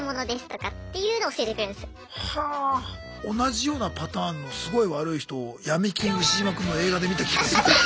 同じようなパターンのすごい悪い人を「闇金ウシジマくん」の映画で見た気がする。